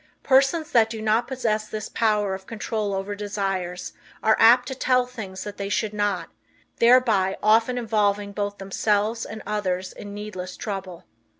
Persons that do not possess this power of control over desires are apt to tell things that they should not, thereby often involving both themselves and others in needless trouble.